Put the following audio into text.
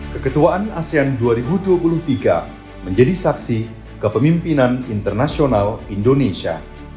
keketuaan asean dua ribu dua puluh tiga menjadi saksi kepemimpinan internasional indonesia